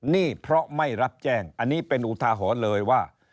นี่เพราะไม่รับแจ้งอันนี้เป็นอุทาหรณ์เลยว่า